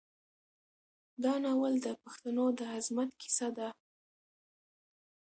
دا ناول د پښتنو د عظمت کیسه ده.